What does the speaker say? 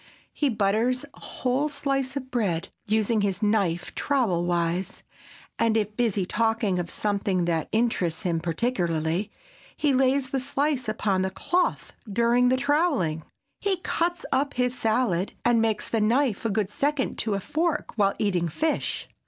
He butters a whole slice of bread, using his knife trowel wise, and if busy talking of something that interests him particularly, he lays the slice upon the cloth during the troweling. He cuts up his salad, and makes the knife a good second to a fork while eating fish.